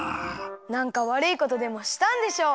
なんかわるいことでもしたんでしょ？